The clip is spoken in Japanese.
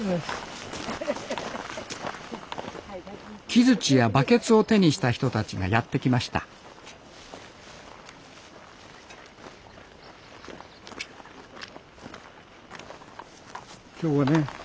木づちやバケツを手にした人たちがやって来ました今日はね